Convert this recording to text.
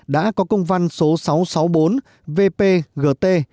đã có công văn số sáu trăm sáu mươi bốn vpgt